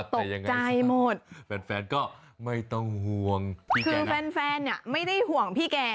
ตกใจหมดแฟนก็ไม่ต้องห่วงคือแฟนไม่ได้ห่วงพี่แก